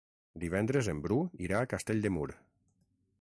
Divendres en Bru irà a Castell de Mur.